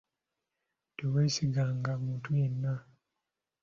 Teweesiganga omuntu yenna.